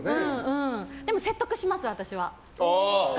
でも説得します、私は。